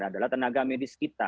adalah tenaga medis kita